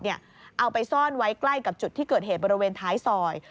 เอาไปซ่อนไว้ใกล้กับจุดที่เกิดเหตุบริเวณท้ายซอย